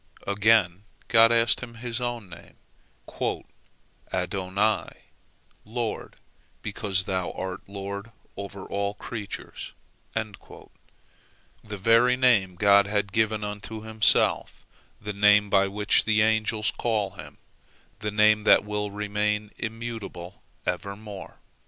Again, God asked him His own name, and he said: "Adonai, Lord, because Thou art Lord over all creatures"—the very name God had given unto Himself, the name by which the angels call Him, the name that will remain immutable evermore.